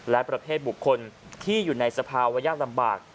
และประเภทบุคคลที่อยู่ในสภาวะยากลำบาก